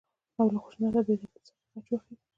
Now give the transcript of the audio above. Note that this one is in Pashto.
او له خشونت او بې عدالتۍ څخه غچ واخيست.